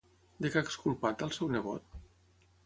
De què ha exculpat al seu nebot?